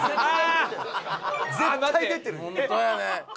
絶対出てる。